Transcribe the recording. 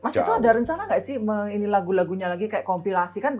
mas itu ada rencana nggak sih ini lagu lagunya lagi kayak kompilasi kan